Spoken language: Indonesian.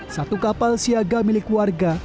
satu kapal siaga milik warga